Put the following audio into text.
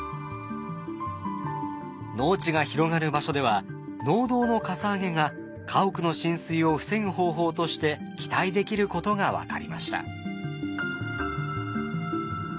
農地が広がる場所では農道のかさ上げが家屋の浸水を防ぐ方法として期待できることが分かりました。